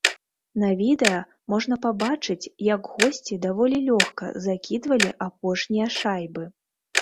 На відэа можна пабачыць, як госці даволі лёгка закідвалі апошнія шайбы.